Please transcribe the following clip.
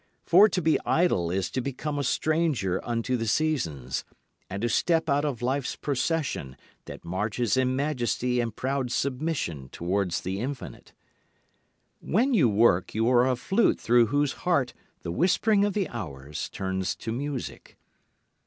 For to be idle is to become a stranger unto the seasons, and to step out of life's procession, that marches in majesty and proud submission towards the infinite. When you work you are a flute through whose heart the whispering of the hours turns to music.